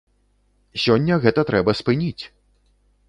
Сёння гэта трэба спыніць!